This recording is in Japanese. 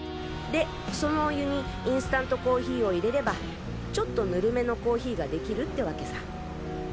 でそのお湯にインスタントコーヒーを入れればちょっとぬるめのコーヒーが出来るってわけさ。